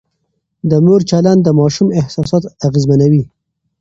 د مور چلند د ماشوم احساسات اغېزمنوي.